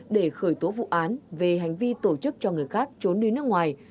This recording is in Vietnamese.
để khởi tố vụ án về hành vi tổ chức cho người khác trốn đi nước ngoài